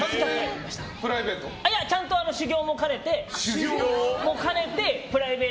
ちゃんと修業も兼ねて自費で？